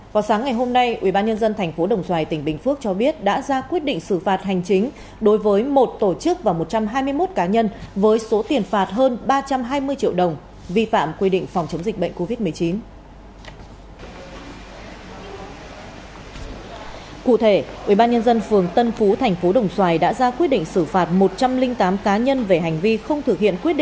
vào sáng ngày hôm nay ubnd tp đồng xoài tỉnh bình phước cho biết đã ra quyết định xử phạt hành chính đối với một tổ chức và một trăm hai mươi một cá nhân với số tiền phạt hơn ba trăm hai mươi triệu đồng vi phạm quy định phòng chống dịch bệnh covid một mươi chín